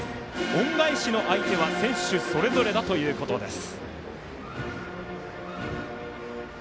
恩返しの相手は選手それぞれだということです。